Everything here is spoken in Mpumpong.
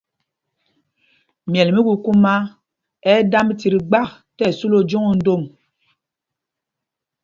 Myɛl mí kukumá ɛ́ ɛ́ damb tit gbak tí ɛsu lɛ ojǒŋ o ndom.